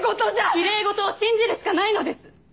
きれい事を信じるしかないのです！